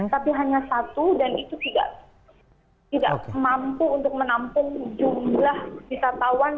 tapi hanya satu dan itu tidak mampu untuk menampung jumlah wisatawan